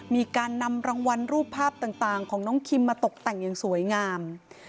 มีการนำรางวัลรูปภาพต่างของน้องคิมมาตกแต่งอย่างสวยงาม